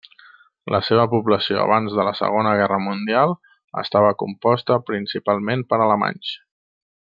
La seva població abans de la Segona Guerra Mundial estava composta principalment per alemanys.